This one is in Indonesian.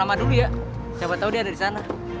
kita cari karena namanya udah ada di sana